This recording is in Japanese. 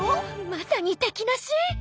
まさに敵なし。